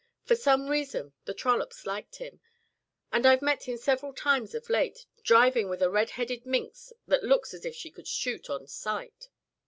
For some reason the trollops liked him, and I've met him several times of late driving with a red headed minx that looks as if she could shoot on sight."